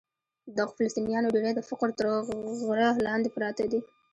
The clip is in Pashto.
د دغو فلسطینیانو ډېری د فقر تر غره لاندې پراته دي.